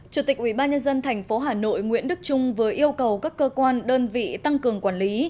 chủ tịch ubnd tp hà nội nguyễn đức trung vừa yêu cầu các cơ quan đơn vị tăng cường quản lý